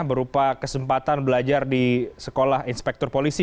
berupa kesempatan belajar di sekolah inspektur polisi